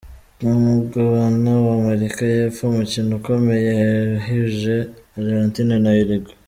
Ku mugabana wa Amerika y’epfo umukino ukomeye wahuje Argentine na Urguay.